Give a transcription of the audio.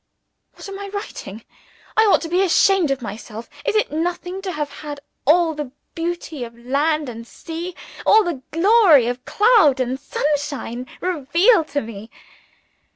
What am I writing? I ought to be ashamed of myself! Is it nothing to have had all the beauty of land and sea, all the glory of cloud and sunshine, revealed to me?